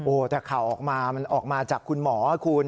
แต่ข่าวออกมามันออกมาจากคุณหมอคุณ